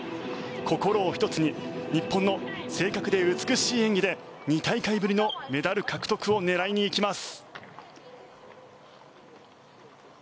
心を一つに日本の正確で美しい演技で２大会ぶりのメダル獲得を狙いに行きます。